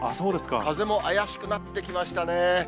風も怪しくなってきましたね。